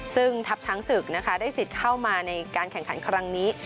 ซึ่งทัพช้างศึกนะคะได้สิทธิ์เข้ามาในการแข่งขันครั้งนี้